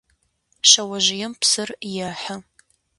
Шъэожъыем псыр ехьы.